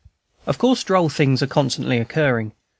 "Of course, droll things are constantly occurring.